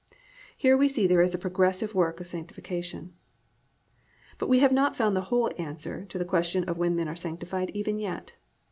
Here we see there is a progressive work of Sanctification. 3. But we have not found the whole answer to the question of When Men are Sanctified, even yet.